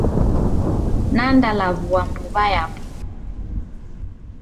Nandalaw'ua mbuw'a yapo.